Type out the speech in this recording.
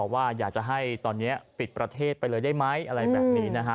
ว่าอยากจะให้ตอนนี้ปิดประเทศไปเลยได้ไหมอะไรแบบนี้นะฮะ